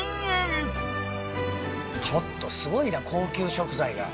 ちょっとすごいな高級食材が。